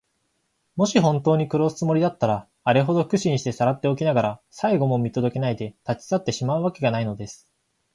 もしほんとうに殺すつもりだったら、あれほど苦心してさらっておきながら、最期も見とどけないで、たちさってしまうわけがないのです。